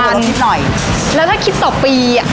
ต่อวันแล้วถ้าคิดต่อปีอะ